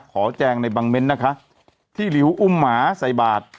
แจงในบางเม้นต์นะคะที่หลิวอุ้มหมาใส่บาท